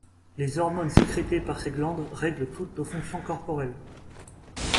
Les hormones sécrétées par ces glandes règlent toutes nos fonctions corporelles.